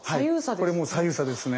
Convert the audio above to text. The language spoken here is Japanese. これも左右差ですね。